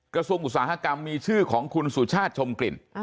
อุตสาหกรรมมีชื่อของคุณสุชาติชมกลิ่น